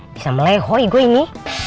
bisa melehoi gue ini